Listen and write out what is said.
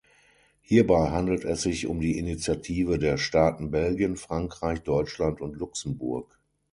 Hierbei handelt es sich um die Initiative der Staaten Belgien, Frankreich, Deutschland und Luxemburg.